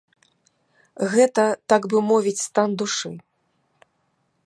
Гэта, так бы мовіць, стан душы.